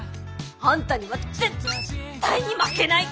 あんたには絶対に負けない！